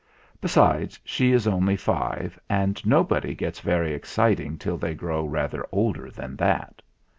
Besides she is only five, and nobody gets very exciting till they grow rather older than that.